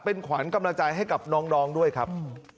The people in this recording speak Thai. เป็นขวัญกำลังใจให้กับน้องด้วยครับ